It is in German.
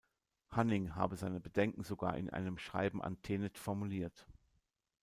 Hanning habe seine Bedenken sogar in einem Schreiben an Tenet formuliert.